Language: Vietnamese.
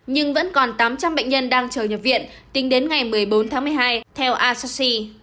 nhưng vẫn còn tám trăm linh bệnh nhân đang chờ nhập viện tính đến ngày một mươi bốn tháng một mươi hai theo asaci